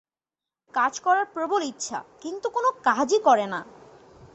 কাজ করার প্রবল ইচ্ছা কিন্তু কোন কাজই করে না।